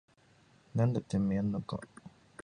なんだててめぇややんのかぁ